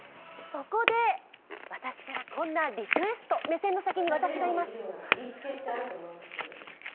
そこで、私からこんなリクエスト、目線の先に私がいます！